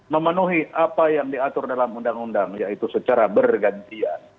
memenuhi apa yang diatur dalam undang undang yaitu secara bergantian